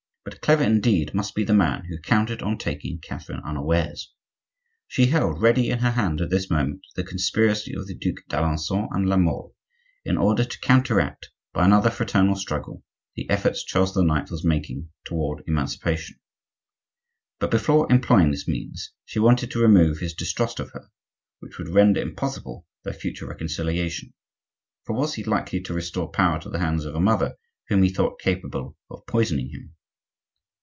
But clever indeed must be the man who counted on taking Catherine unawares. She held ready in her hand at this moment the conspiracy of the Duke d'Alencon and La Mole, in order to counteract, by another fraternal struggle, the efforts Charles IX. was making toward emancipation. But, before employing this means, she wanted to remove his distrust of her, which would render impossible their future reconciliation; for was he likely to restore power to the hands of a mother whom he thought capable of poisoning him?